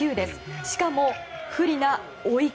しかも不利な追い風。